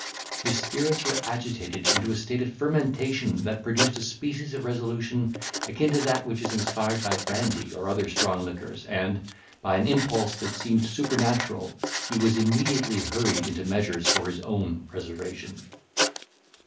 His spirits were agitated into a state of fermentation that produced a species of resolution akin to that which is inspired by brandy or other strong liquors, and, by an impulse that seemed supernatural, he was immediately hurried into measures for his own preservation.